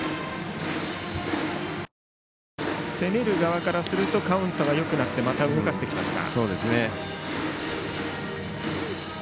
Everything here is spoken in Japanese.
攻める側からするとカウントがよくなってまた動かしてきました。